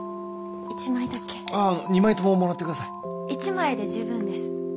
１枚で十分です。